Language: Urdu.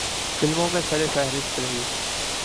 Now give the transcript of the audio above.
فلموں میں سرِ فہرست رہی۔